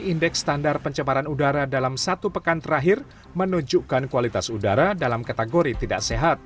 indeks standar pencemaran udara dalam satu pekan terakhir menunjukkan kualitas udara dalam kategori tidak sehat